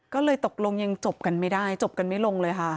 ก็เลยตกลงยังจบกันไม่ได้จบกันไม่ลงเลยค่ะ